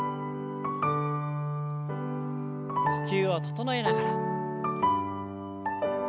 呼吸を整えながら。